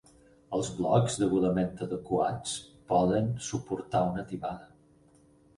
Els blocs degudament adequats poden suportar una tibada.